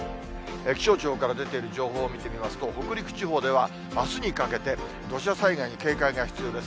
気象庁から出ている情報を見てみますと、北陸地方ではあすにかけて、土砂災害に警戒が必要です。